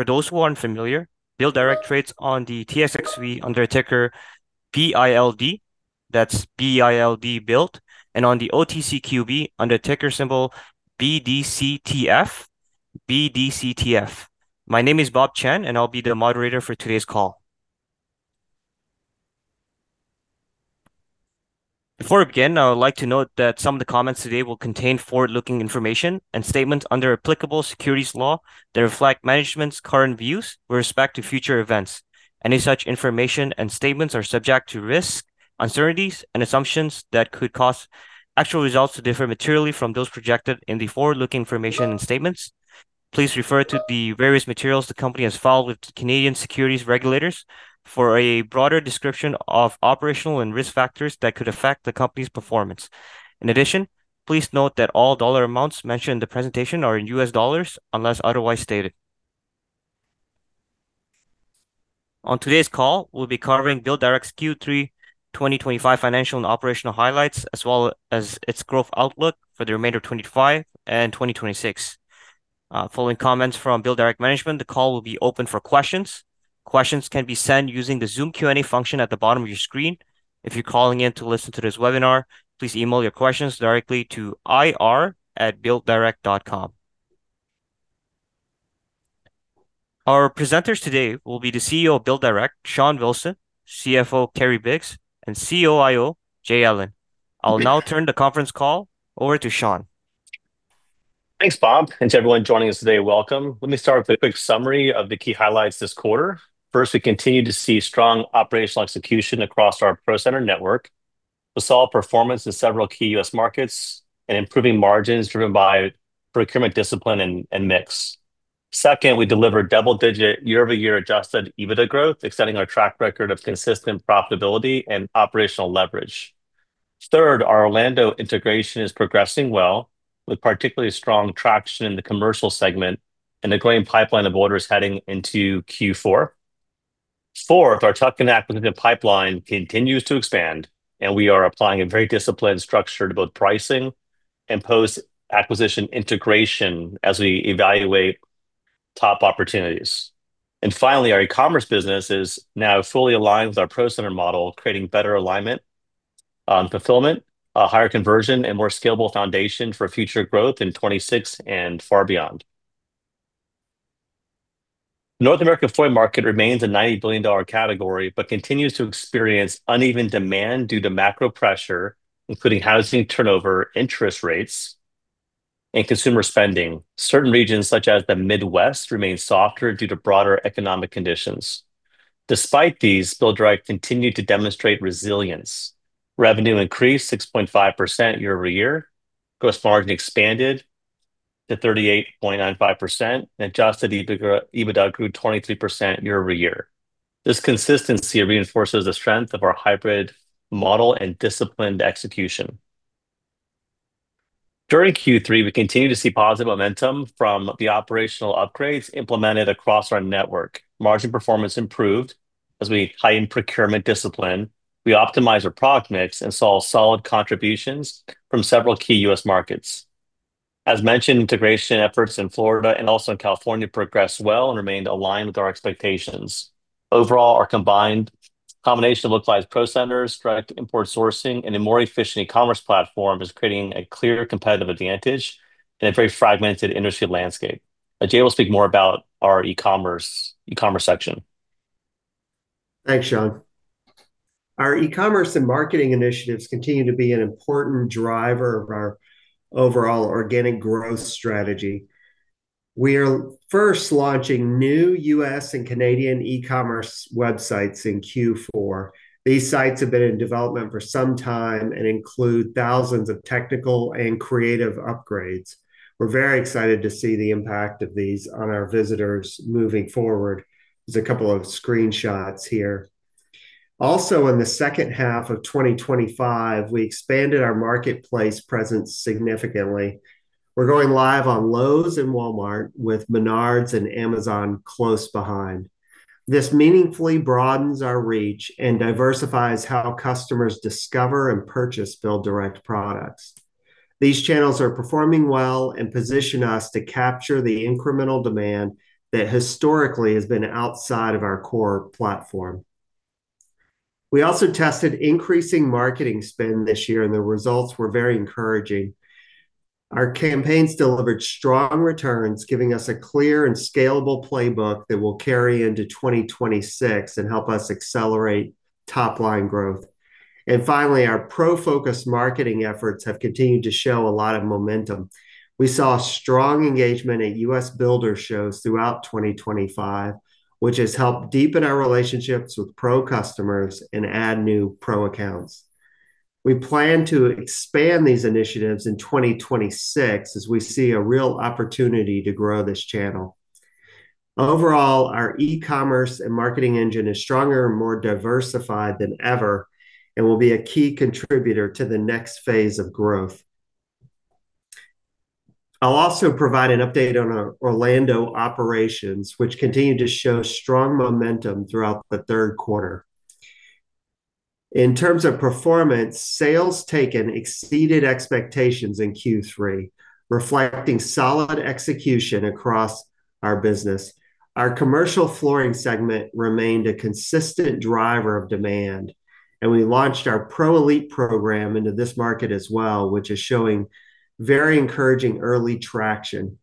For those who aren't familiar, BuildDirect trades on the TSXV under ticker BILD, that's B-I-L-D, BILD, and on the OTCQB under ticker symbol BDCTF, B-D-C-T-F. My name is Bob Chen, and I'll be the moderator for today's call. Before I begin, I would like to note that some of the comments today will contain forward-looking information and statements under applicable securities law that reflect management's current views with respect to future events. Any such information and statements are subject to risk, uncertainties, and assumptions that could cause actual results to differ materially from those projected in the forward-looking information and statements. Please refer to the various materials the company has filed with Canadian securities regulators for a broader description of operational and risk factors that could affect the company's performance. In addition, please note that all dollar amounts mentioned in the presentation are in U.S. dollars unless otherwise stated. On today's call, we'll be covering BuildDirect's Q3 2025 financial and operational highlights, as well as its growth outlook for the remainder of 2025 and 2026. Following comments from BuildDirect management, the call will be open for questions. Questions can be sent using the Zoom Q&A function at the bottom of your screen. If you're calling in to listen to this webinar, please email your questions directly to ir@builddirect.com. Our presenters today will be the CEO of BuildDirect, Shawn Wilson, CFO, Kerry Biggs, and COO, Jay Allen. I'll now turn the conference call over to Shawn. Thanks, Bob. To everyone joining us today, welcome. Let me start with a quick summary of the key highlights this quarter. First, we continue to see strong operational execution across our ProCenter network, with solid performance in several key U.S. markets and improving margins driven by procurement discipline and mix. Second, we deliver double-digit year-over-year adjusted EBITDA growth, extending our track record of consistent profitability and operational leverage. Third, our Orlando integration is progressing well, with particularly strong traction in the commercial segment and a growing pipeline of orders heading into Q4. Fourth, our tuck-in acquisition pipeline continues to expand, and we are applying a very disciplined structure to both pricing and post-acquisition integration as we evaluate top opportunities. Our E-commerce business is now fully aligned with our ProCenter model, creating better alignment on fulfillment, a higher conversion, and more scalable foundation for future growth in 2026 and far beyond. North America's flooring market remains a $90 billion category but continues to experience uneven demand due to macro pressure, including housing turnover, interest rates, and consumer spending. Certain regions, such as the Midwest, remain softer due to broader economic conditions. Despite these, BuildDirect continued to demonstrate resilience. Revenue increased 6.5% year-over-year, gross margin expanded to 38.95%, and adjusted EBITDA grew 23% year-over-year. This consistency reinforces the strength of our hybrid model and disciplined execution. During Q3, we continue to see positive momentum from the operational upgrades implemented across our network. Margin performance improved as we heightened procurement discipline. We optimized our product mix and saw solid contributions from several key U.S. markets. As mentioned, integration efforts in Florida and also in California progressed well and remained aligned with our expectations. Overall, our combined combination of localized ProCenters, direct import sourcing, and a more efficient E-commerce platform is creating a clear competitive advantage in a very fragmented industry landscape. Jay will speak more about our E-commerce section. Thanks, Shawn. Our E-commerce and marketing initiatives continue to be an important driver of our overall organic growth strategy. We are first launching new US and Canadian e-commerce websites in Q4. These sites have been in development for some time and include thousands of technical and creative upgrades. We're very excited to see the impact of these on our visitors moving forward. There's a couple of screenshots here. Also, in the second half of 2025, we expanded our marketplace presence significantly. We're going live on Lowe's and Walmart, with Menards and Amazon close behind. This meaningfully broadens our reach and diversifies how customers discover and purchase BuildDirect products. These channels are performing well and position us to capture the incremental demand that historically has been outside of our core platform. We also tested increasing marketing spend this year, and the results were very encouraging. Our campaigns delivered strong returns, giving us a clear and scalable playbook that will carry into 2026 and help us accelerate top-line growth. Finally, our pro-focus marketing efforts have continued to show a lot of momentum. We saw strong engagement at U.S. Builder shows throughout 2025, which has helped deepen our relationships with Pro customers and add new Pro accounts. We plan to expand these initiatives in 2026 as we see a real opportunity to grow this channel. Overall, our E-commerce and marketing engine is stronger and more diversified than ever and will be a key contributor to the next phase of growth. I'll also provide an update on our Orlando operations, which continue to show strong momentum throughout the third quarter. In terms of performance, sales taken exceeded expectations in Q3, reflecting solid execution across our business. Our commercial flooring segment remained a consistent driver of demand, and we launched our ProElite program into this market as well, which is showing very encouraging early traction.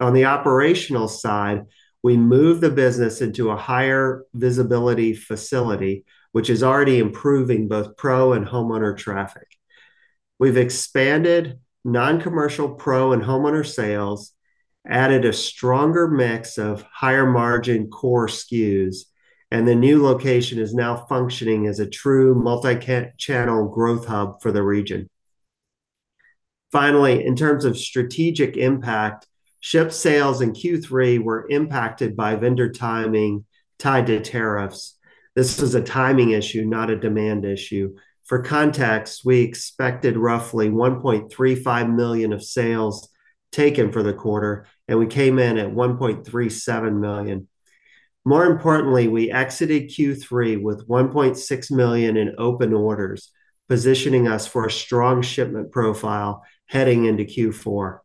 On the operational side, we moved the business into a higher visibility facility, which is already improving both Pro and Homeowner traffic. We've expanded non-commercial pro and homeowner sales, added a stronger mix of higher-margin core SKUs, and the new location is now functioning as a true Multi-channel growth hub for the region. Finally, in terms of strategic impact, ship sales in Q3 were impacted by vendor timing tied to tariffs. This was a timing issue, not a demand issue. For context, we expected roughly $1.35 million of sales taken for the quarter, and we came in at $1.37 million. More importantly, we exited Q3 with $1.6 million in open orders, positioning us for a strong shipment profile heading into Q4.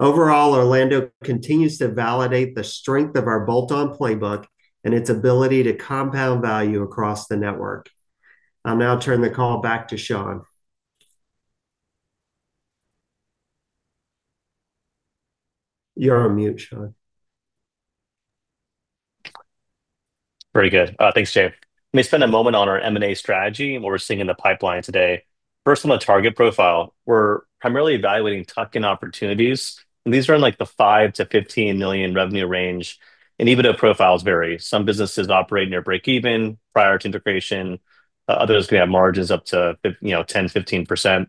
Overall, Orlando continues to validate the strength of our bolt-on playbook and its ability to compound value across the network. I'll now turn the call back to Shawn. You're on mute, Shawn. Very good. Thanks, Jay. Let me spend a moment on our M&A strategy and what we're seeing in the pipeline today. First, on the target profile, we're primarily evaluating tuck-in opportunities, and these are in the $5 million-$15 million revenue range, and EBITDA profiles vary. Some businesses operate near break-even prior to integration. Others can have margins up to 10%-15%.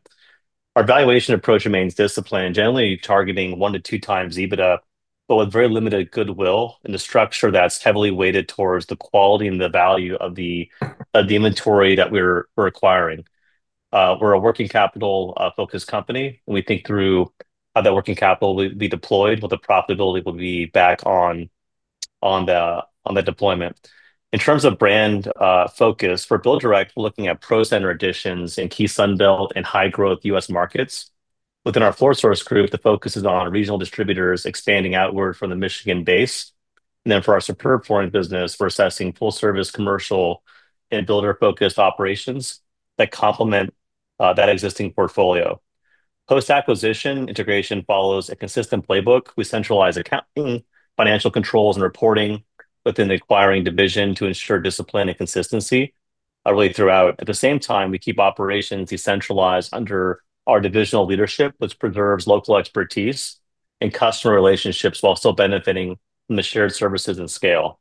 Our valuation approach remains disciplined, generally targeting 1-2 times EBITDA, but with very limited goodwill in the structure that's heavily weighted towards the quality and the value of the inventory that we're acquiring. We're a working capital-focused company, and we think through how that working capital will be deployed, what the profitability will be back on that deployment. In terms of brand focus for BuildDirect, we're looking at ProCenter additions in key Sunbelt and high-growth U.S. markets. Within our Foursource group, the focus is on regional distributors expanding outward from the Michigan base. For our Superb Flooring business, we're assessing full-service commercial and builder-focused operations that complement that existing portfolio. Post-acquisition integration follows a consistent playbook. We centralize accounting, financial controls, and reporting within the acquiring division to ensure discipline and consistency really throughout. At the same time, we keep operations decentralized under our divisional leadership, which preserves local expertise and customer relationships while still benefiting from the shared services and scale.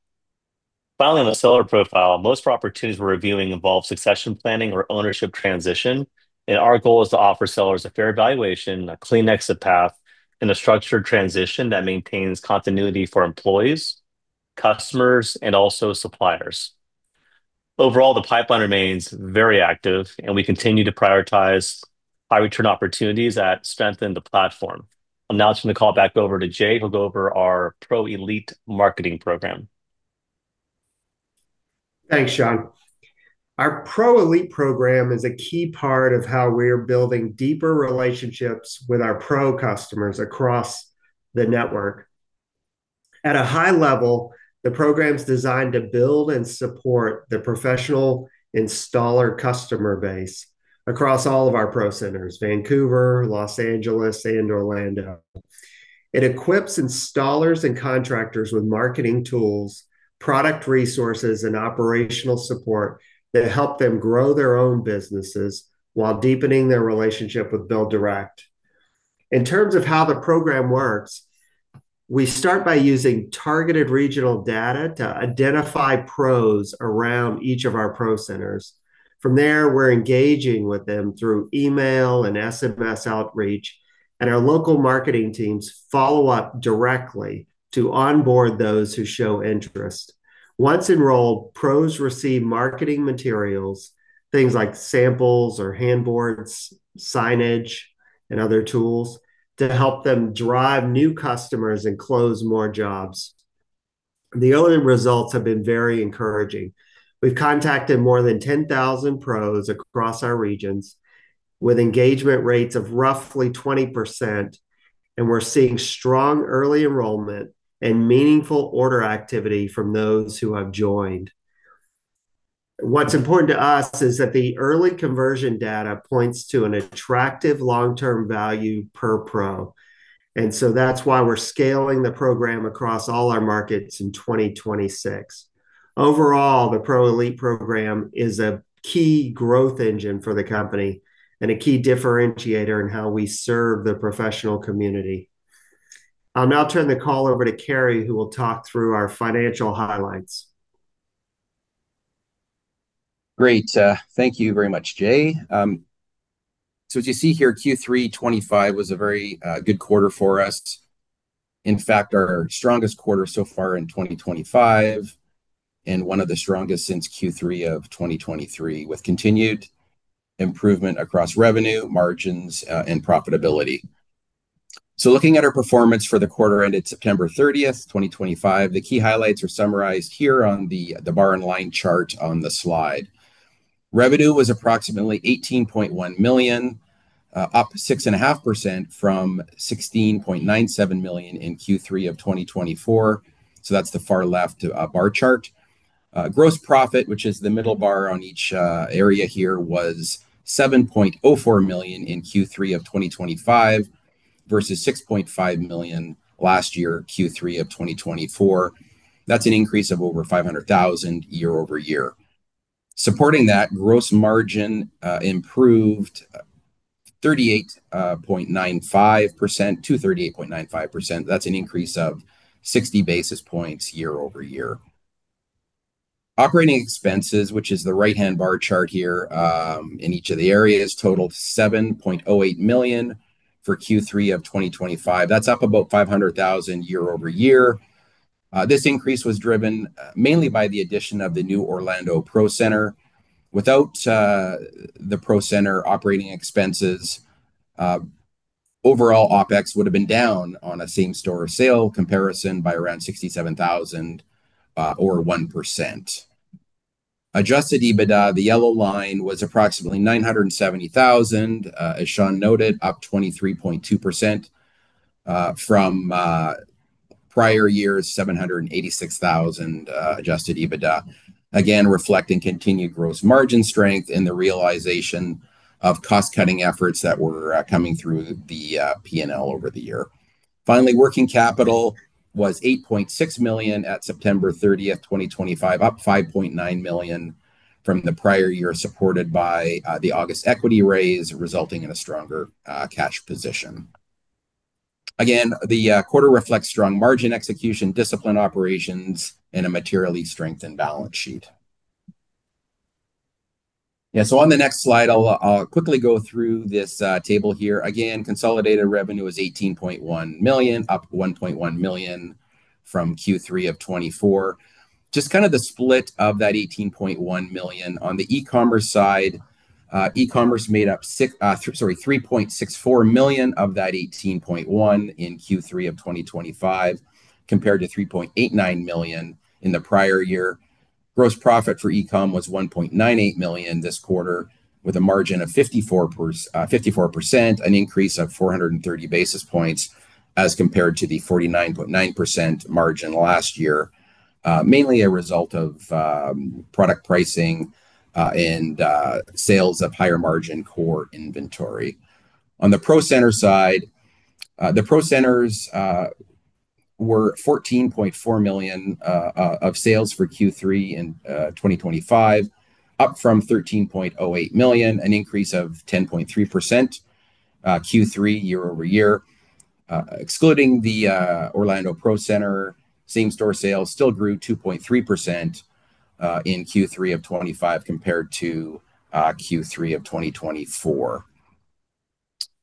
Finally, on the seller profile, most of our opportunities we're reviewing involve succession planning or ownership transition. Our goal is to offer sellers a fair evaluation, a clean exit path, and a structured transition that maintains continuity for employees, customers, and also suppliers. Overall, the pipeline remains very active, and we continue to prioritize high-return opportunities that strengthen the platform. I'm now turning the call back over to Jay, who'll go over our ProElite Marketing Program. Thanks, Shawn. Our ProElite Program is a key part of how we're building deeper relationships with our pro customers across the network. At a high level, the program's designed to build and support the professional installer customer base across all of our ProCenters: Vancouver, Los Angeles, and Orlando. It equips installers and contractors with marketing tools, product resources, and operational support that help them grow their own businesses while deepening their relationship with BuildDirect. In terms of how the program works, we start by using targeted regional data to identify pros around each of our ProCenters. From there, we're engaging with them through Email and SMS outreach, and our local marketing teams follow up directly to onboard those who show interest. Once enrolled, pros receive marketing materials, things like samples or handboards, signage, and other tools to help them drive new customers and close more jobs. The early results have been very encouraging. We've contacted more than 10,000 pros across our regions with engagement rates of roughly 20%, and we're seeing strong early enrollment and meaningful order activity from those who have joined. What's important to us is that the early conversion data points to an attractive long-term value per pro. That is why we're scaling the program across all our markets in 2026. Overall, the ProElite Program is a key growth engine for the company and a key differentiator in how we serve the professional community. I'll now turn the call over to Kerry, who will talk through our financial highlights. Great. Thank you very much, Jay. As you see here, Q3 2025 was a very good quarter for us. In fact, our strongest quarter so far in 2025 and one of the strongest since Q3 of 2023, with continued improvement across revenue, margins, and profitability. Looking at our performance for the quarter ended September 30th, 2025, the key highlights are summarized here on the bar and line chart on the slide. Revenue was approximately $18.1 million, up 6.5% from $16.97 million in Q3 of 2024. That is the far left Bar chart. Gross profit, which is the middle bar on each area here, was $7.04 million in Q3 of 2025 versus $6.5 million last year, Q3 of 2024. That is an increase of over $500,000 year-over-year. Supporting that, gross margin improved 38.95% to 38.95%. That is an increase of 60 basis points year-over-year. Operating expenses, which is the right-hand bar chart here in each of the areas, totaled $7.08 million for Q3 of 2025. That's up about $500,000 year-over-year. This increase was driven mainly by the addition of the new Orlando ProCenter. Without the ProCenter operating expenses, overall OPEX would have been down on a same-store sale comparison by around $67,000 or 1%. Adjusted EBITDA, the yellow line, was approximately $970,000, as Shawn noted, up 23.2% from prior year's $786,000 adjusted EBITDA, again reflecting continued gross margin strength and the realization of cost-cutting efforts that were coming through the P&L over the year. Finally, working capital was $8.6 million at September 30th, 2025, up $5.9 million from the prior year supported by the August equity raise, resulting in a stronger cash position. Again, the quarter reflects strong margin execution, disciplined operations, and a materially strengthened balance sheet. Yeah, on the next slide, I'll quickly go through this table here. Again, consolidated revenue was $18.1 million, up $1.1 million from Q3 of 2024. Just kind of the split of that $18.1 million. On the E-commerce side, e-commerce made up, sorry, $3.64 million of that $18.1 million in Q3 of 2025, compared to $3.89 million in the prior year. Gross profit for e-com was $1.98 million this quarter, with a margin of 54%, an increase of 430 basis points as compared to the 49.9% margin last year, mainly a result of product pricing and sales of higher-margin Core Inventory. On the ProCenter side, the ProCenters were $14.4 million of sales for Q3 in 2025, up from $13.08 million, an increase of 10.3% Q3 year-over-year. Excluding the Orlando ProCenter, same-store sales still grew 2.3% in Q3 of 2025 compared to Q3 of 2024.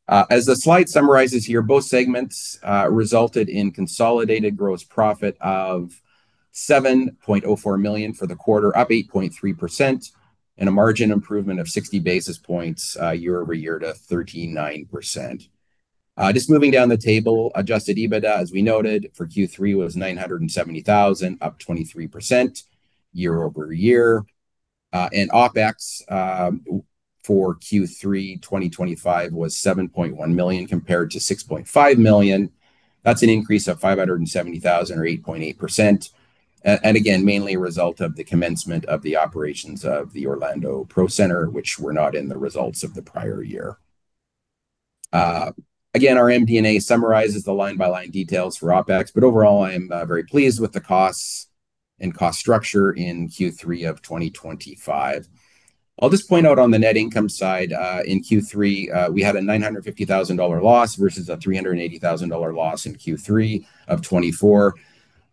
As the slide summarizes here, both segments resulted in consolidated gross profit of $7.04 million for the quarter, up 8.3%, and a margin improvement of 60 basis points year-over-year to 39%. Just moving down the table, adjusted EBITDA, as we noted, for Q3 was $970,000, up 23% year-over-year. OPEX for Q3 2025 was $7.1 million compared to $6.5 million. That is an increase of $570,000 or 8.8%. Again, mainly a result of the commencement of the operations of the Orlando ProCenter, which were not in the results of the prior year. Our MD&A summarizes the line-by-line details for OPEX, but overall, I am very pleased with the costs and cost structure in Q3 of 2025. I'll just point out on the Net Income side, in Q3, we had a $950,000 loss versus a $380,000 loss in Q3 of 2024.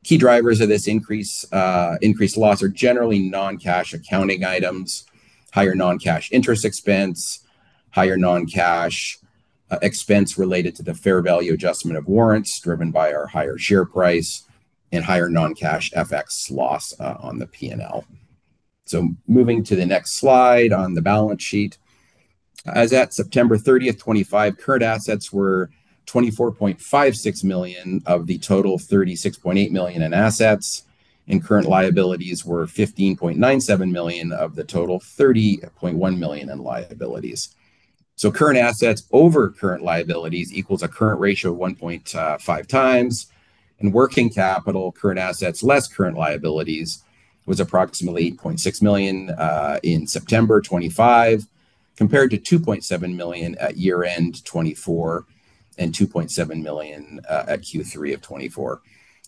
Key drivers of this increased loss are generally non-cash accounting items, higher non-cash interest expense, higher non-cash expense related to the Fair Value Adjustment of warrants driven by our higher share price, and higher non-cash FX loss on the P&L. Moving to the next slide on the balance sheet. As at September 30th, 2025, current assets were $24.56 million of the total $36.8 million in assets, and current liabilities were $15.97 million of the total $30.1 million in liabilities. Current assets over current liabilities equals a current ratio of 1.5 times. Working capital, current assets less current liabilities, was approximately $8.6 million in September 2025, compared to $2.7 million at year-end 2024 and $2.7 million at Q3 of 2024.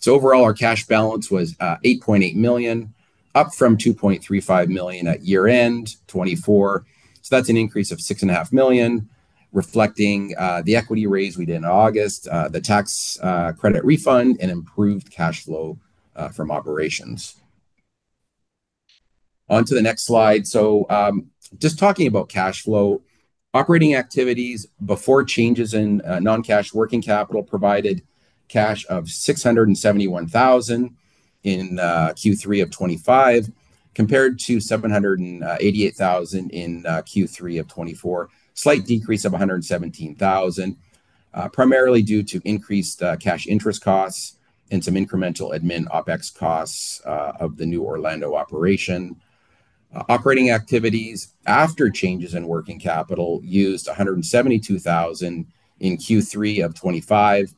Overall, our cash balance was $8.8 million, up from $2.35 million at year-end 2024. That's an increase of $6.5 million, reflecting the equity raise we did in August, the tax credit refund, and improved cash flow from operations. Onto the next slide. Just talking about cash flow, operating activities before changes in non-cash working capital provided cash of $671,000 in Q3 of 2025, compared to $788,000 in Q3 of 2024, a slight decrease of $117,000, primarily due to increased cash interest costs and some incremental admin OPEX costs of the new Orlando operation. Operating activities after changes in working capital used $172,000 in Q3 of 2025,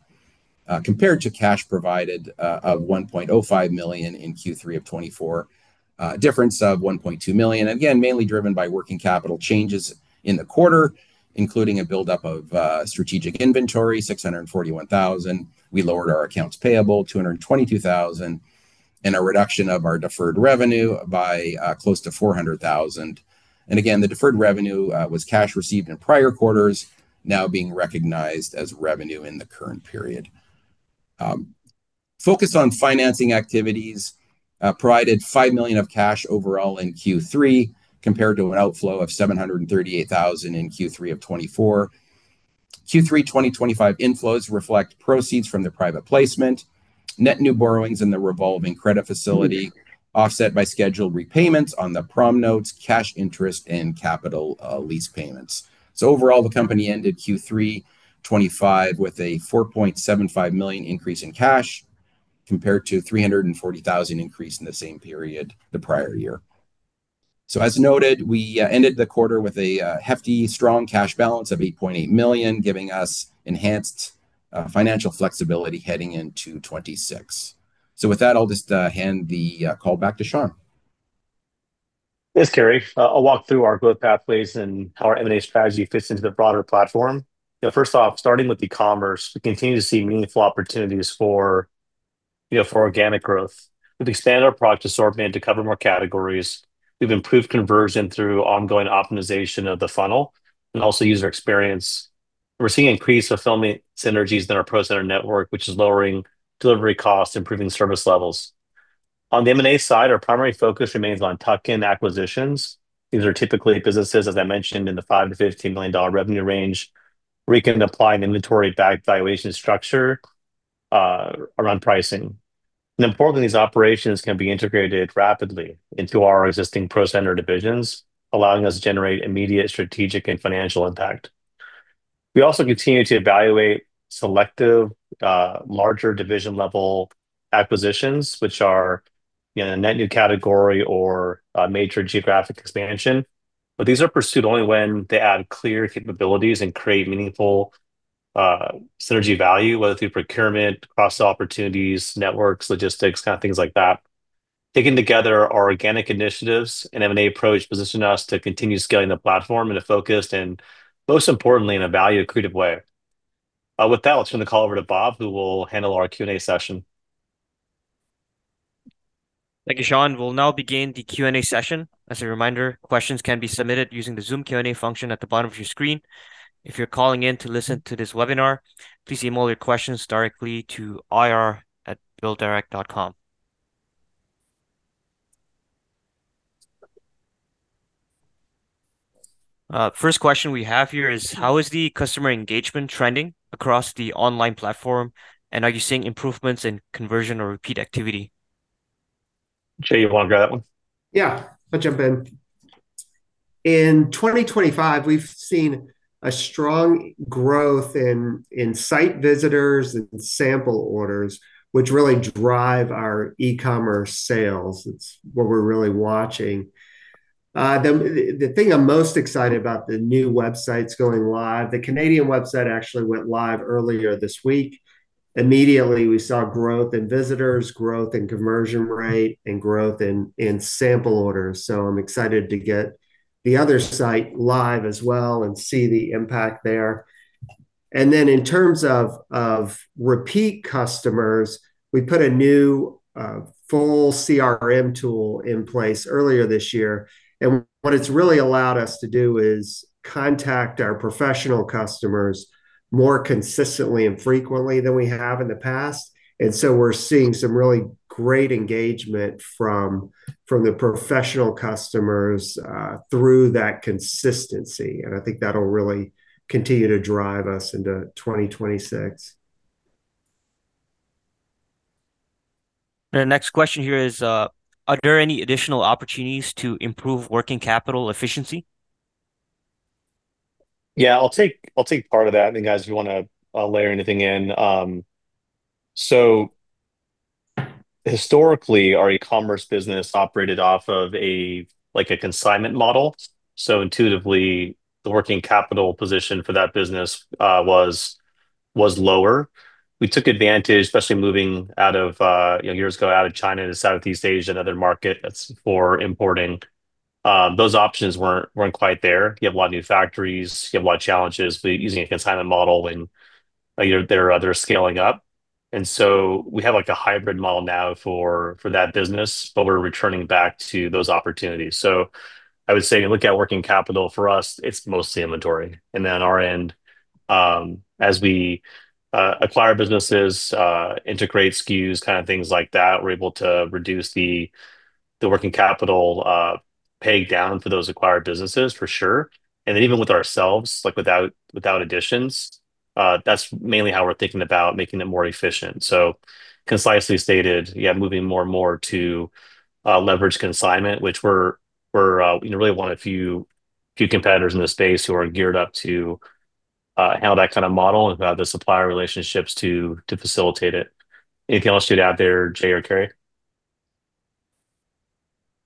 compared to cash provided of $1.05 million in Q3 of 2024, a difference of $1.2 million. Again, mainly driven by working capital changes in the quarter, including a build-up of strategic inventory, $641,000. We lowered our accounts payable, $222,000, and a reduction of our deferred revenue by close to $400,000. Again, the deferred revenue was cash received in prior quarters, now being recognized as revenue in the current period. Focus on financing activities provided $5 million of cash overall in Q3, compared to an outflow of $738,000 in Q3 of 2024. Q3 2025 inflows reflect proceeds from the private placement, net new borrowings in the revolving credit facility, offset by scheduled repayments on the Prom notes, cash interest, and capital lease payments. Overall, the company ended Q3 2025 with a $4.75 million increase in cash compared to a $340,000 increase in the same period the prior year. As noted, we ended the quarter with a strong cash balance of $8.8 million, giving us enhanced financial flexibility heading into 2026. With that, I'll just hand the call back to Shawn. Thanks, Kerry. I'll walk through our growth pathways and how our M&A strategy fits into the broader platform. First off, starting with E-commerce, we continue to see meaningful opportunities for organic growth. We've expanded our product assortment to cover more categories. We've improved conversion through ongoing optimization of the funnel and also User Experience. We're seeing increased fulfillment synergies in our ProCenter network, which is lowering delivery costs, improving service levels. On the M&A side, our primary focus remains on Tuck-in Acquisitions. These are typically businesses, as I mentioned, in the $5 million-$15 million revenue range, where you can apply an inventory-backed valuation structure around pricing. Importantly, these operations can be integrated rapidly into our existing ProCenter divisions, allowing us to generate immediate strategic and financial impact. We also continue to evaluate selective larger division-level acquisitions, which are a net new category or major geographic expansion. These are pursued only when they add clear capabilities and create meaningful synergy value, whether through procurement, cost opportunities, networks, logistics, kind of things like that. Taking together our organic initiatives and M&A approach positioned us to continue scaling the platform in a focused and, most importantly, in a value-accretive way. With that, I'll turn the call over to Bob, who will handle our Q&A session. Thank you, Shawn. We'll now begin the Q&A session. As a reminder, questions can be submitted using the Zoom Q&A function at the bottom of your screen. If you're calling in to listen to this webinar, please email your questions directly to ir@builddirect.com. First question we have here is, how is the customer engagement trending across the online platform, and are you seeing improvements in conversion or repeat activity? Jay, you want to grab that one? Yeah, I'll jump in. In 2025, we've seen strong growth in site visitors and sample orders, which really drive our e-commerce sales. It's what we're really watching. The thing I'm most excited about, the new websites going live. The Canadian website actually went live earlier this week. Immediately, we saw growth in visitors, growth in conversion rate, and growth in sample orders. I'm excited to get the other site live as well and see the impact there. In terms of repeat customers, we put a new full CRM Tool in place earlier this year. What it's really allowed us to do is contact our professional customers more consistently and frequently than we have in the past. We're seeing some really great engagement from the professional customers through that consistency. I think that'll really continue to drive us into 2026. Are there any additional opportunities to improve working Capital Efficiency? Yeah, I'll take part of that. Guys, if you want to layer anything in. Historically, our E-commerce business operated off of a consignment model. Intuitively, the working capital position for that business was lower. We took advantage, especially moving out of years ago out of China to Southeast Asia and other markets for importing. Those options were not quite there. You have a lot of new factories. You have a lot of challenges using a Consignment Model, and they are scaling up. We have a Hybrid model now for that business, but we are returning back to those opportunities. I would say when you look at working capital for us, it is mostly inventory. On our end, as we acquire businesses, integrate SKUs, things like that, we are able to reduce the working capital pay down for those acquired businesses, for sure. Even with ourselves, without additions, that's mainly how we're thinking about making it more efficient. So, concisely stated, yeah, moving more and more to Leverage Consignment, which we're really one of the few competitors in the space who are geared up to handle that kind of model and have the supplier relationships to facilitate it. Anything else you'd add there, Jay or Kerry?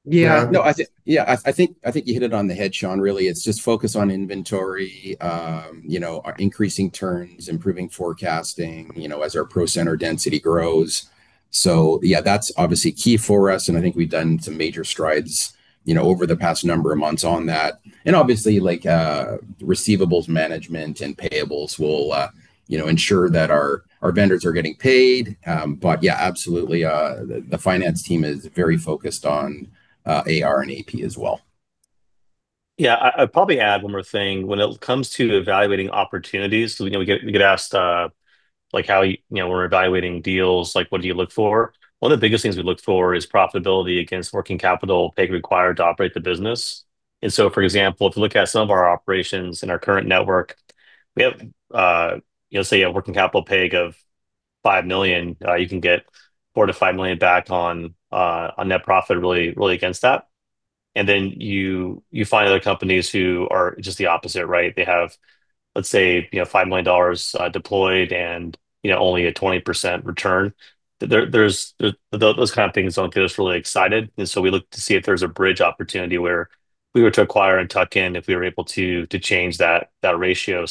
Yeah. No, I think you hit it on the head, Shawn, really. It's just focus on inventory, increasing turns, improving forecasting as our ProCenter density grows. Yeah, that's obviously key for us. I think we've done some major strides over the past number of months on that. Obviously, receivables management and payables will ensure that our vendors are getting paid. Yeah, absolutely, the finance team is very focused on AR and AP as well. Yeah, I'd probably add one more thing. When it comes to evaluating opportunities, we get asked how we're evaluating deals, what do you look for? One of the biggest things we look for is profitability against working capital pay required to operate the business. For example, if you look at some of our operations in our current network, we have, let's say, a working capital pay of $5 million, you can get $4 million-$5 million back on Net Profit really against that. You find other companies who are just the opposite, right? They have, let's say, $5 million deployed and only a 20% return. Those kind of things don't get us really excited. We look to see if there's a bridge opportunity where we were to acquire and tuck in if we were able to change that ratio.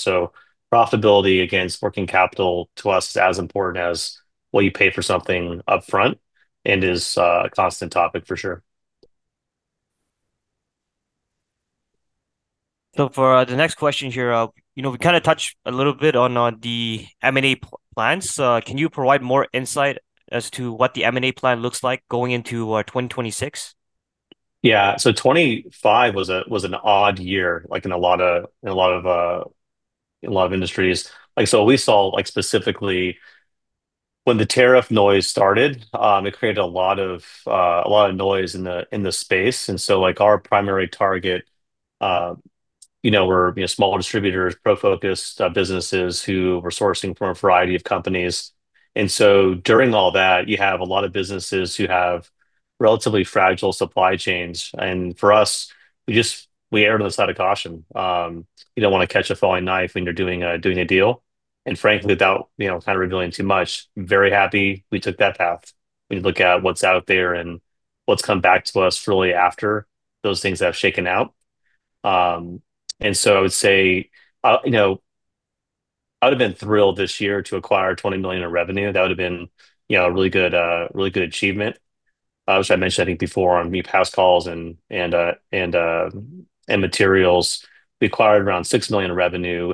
Profitability against working capital to us is as important as what you pay for something upfront and is a constant topic, for sure. For the next question here, we kind of touched a little bit on the M&A plans. Can you provide more insight as to what the M&A plan looks like going into 2026? Yeah. 2025 was an odd year in a lot of industries. We saw specifically when the tariff noise started, it created a lot of noise in the space. Our primary target were small distributors, ProFocus businesses who were sourcing from a variety of companies. During all that, you have a lot of businesses who have relatively fragile supply chains. For us, we err on the side of caution. You do not want to catch a falling knife when you are doing a deal. Frankly, without kind of revealing too much, very happy we took that path. We look at what is out there and what has come back to us really after those things have shaken out. I would say I would have been thrilled this year to acquire $20 million in revenue. That would have been a really good achievement, which I mentioned, I think, before on past calls and materials. We acquired around $6 million in revenue.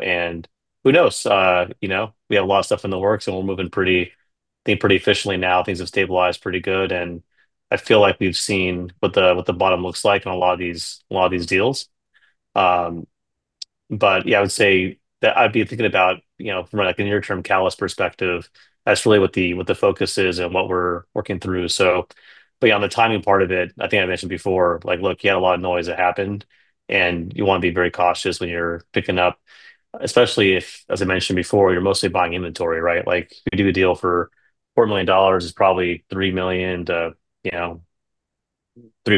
Who knows? We have a lot of stuff in the works, and we're moving pretty efficiently now. Things have stabilized pretty good. I feel like we've seen what the bottom looks like in a lot of these deals. I would say that I'd be thinking about from a near-term callous perspective as really what the focus is and what we're working through. On the timing part of it, I think I mentioned before, look, you had a lot of noise that happened, and you want to be very cautious when you're picking up, especially if, as I mentioned before, you're mostly buying inventory, right? If you do a deal for $4 million, it's probably $3 million-$3.25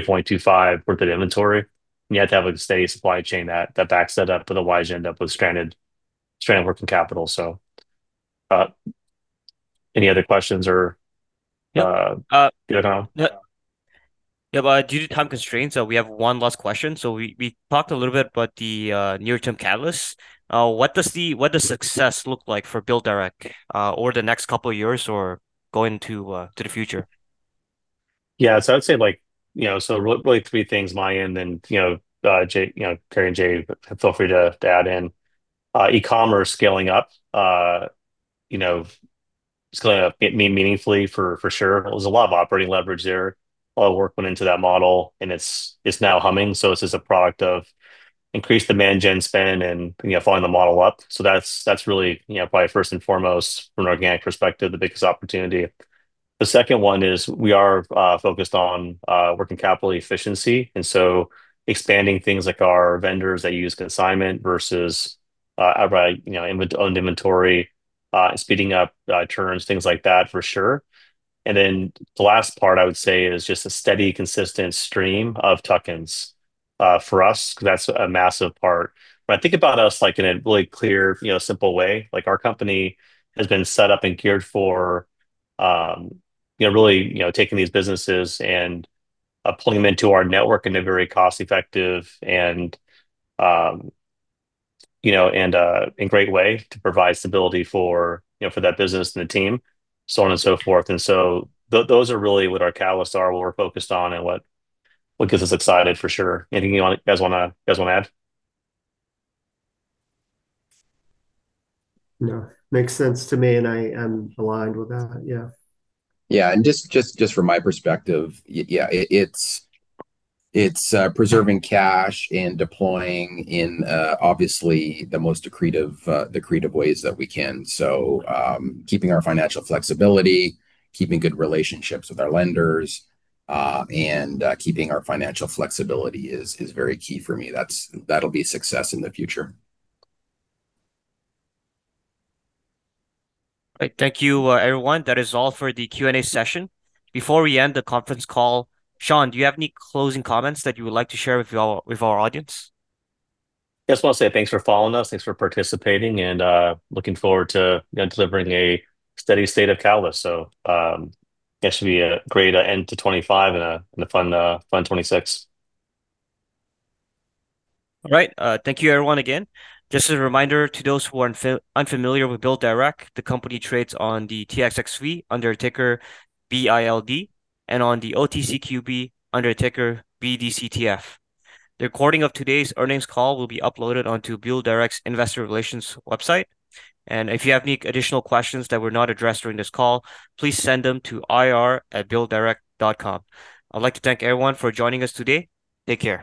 million worth of inventory. You have to have a steady supply chain that backs that up, otherwise you end up with stranded working capital. Any other questions or feedback on that? Yeah. Due to time constraints, we have one last question. We talked a little bit about the near-term catalysts. What does success look like for BuildDirect over the next couple of years or going to the future? Yeah. I would say really three things, guys, and Kerry and Jay, feel free to add in. E-commerce scaling up, scaling up meaningfully, for sure. There is a lot of operating leverage there. A lot of work went into that model, and it is now humming. This is a product of increased demand, Gen Spend, and following the model up. That is really probably first and foremost from an organic perspective, the biggest opportunity. The second one is we are focused on working capital efficiency. Expanding things like our vendors that use consignment versus owned inventory, speeding up turns, things like that, for sure. The last part, I would say, is just a steady, consistent stream of tuck-ins for us because that is a massive part. I think about us in a really clear, simple way. Our company has been set up and geared for really taking these businesses and pulling them into our network in a very cost-effective and great way to provide stability for that business and the team, so on and so forth. Those are really what our catalysts are, what we're focused on, and what gets us excited, for sure. Anything you guys want to add? No. Makes sense to me, and I am aligned with that. Yeah. Yeah. Just from my perspective, yeah, it's preserving cash and deploying in, obviously, the most accretive ways that we can. Keeping our financial flexibility, keeping good relationships with our lenders, and keeping our financial flexibility is very key for me. That'll be a success in the future. Great. Thank you, everyone. That is all for the Q&A session. Before we end the conference call, Shawn, do you have any closing comments that you would like to share with our audience? I just want to say thanks for following us, thanks for participating, and looking forward to delivering a steady state of catalyst. It should be a great end to 2025 and a fun 2026. All right. Thank you, everyone, again. Just as a reminder to those who are unfamiliar with BuildDirect, the company trades on the TSXV under the ticker BILD and on the OTCQB under the ticker BDCTF. The recording of today's earnings call will be uploaded onto BuildDirect's Investor Relations website. If you have any additional questions that were not addressed during this call, please send them to ir@builddirect.com. I'd like to thank everyone for joining us today. Take care.